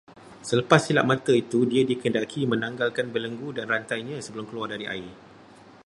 Selepas silap mata itu dia dikehendaki menanggalkan belenggu dan rantainya sebelum keluar dari air